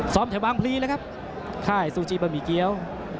ซอมแต่วางพลีนะครับค่ายซูจิบะหมี่เกี๊ยว